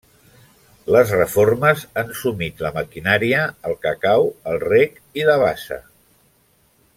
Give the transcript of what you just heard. Les reformes han sumit la maquinària, el cacau, el rec i la bassa.